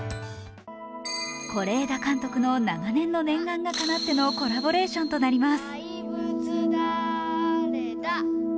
是枝監督の長年の念願がかなってのコラボレーションとなります。